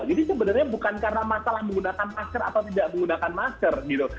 jadi sebenarnya bukan karena masalah menggunakan masker atau tidak menggunakan masker gitu